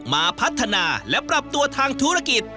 มาพัฒนาและปรับตัวทางธุรกิจ